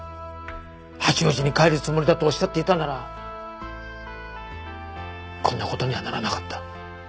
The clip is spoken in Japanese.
八王子に帰るつもりだとおっしゃっていたならこんな事にはならなかった。